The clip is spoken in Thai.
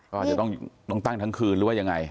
ก็อาจจะต้องตั้งทั้งคืนหรือว่ายังไง